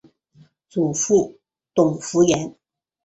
祖父董孚言。